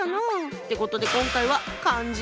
ってことで今回は「漢字」。